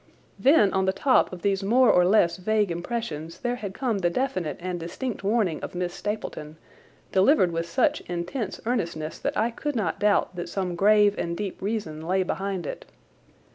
Then on the top of these more or less vague impressions there had come the definite and distinct warning of Miss Stapleton, delivered with such intense earnestness that I could not doubt that some grave and deep reason lay behind it.